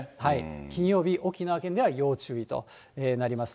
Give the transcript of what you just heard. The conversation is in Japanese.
金曜日、沖縄県では要注意となりますね。